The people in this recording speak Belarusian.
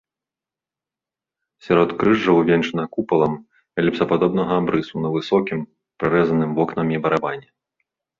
Сяродкрыжжа увенчана купалам эліпсападобнага абрысу на высокім, прарэзаным вокнамі барабане.